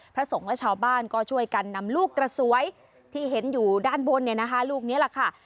พระสงฆ์และชาวบ้านก็ช่วยกันนำลูกกระสวยที่เห็นอยู่ด้านบนเนี่ยนะคะลูกนี้แหละค่ะ